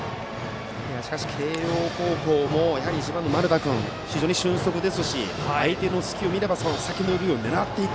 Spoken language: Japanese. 慶応高校も１番の丸田君は非常に俊足ですし相手の隙を見れば先の塁を狙う。